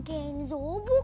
kasian dede shiva pak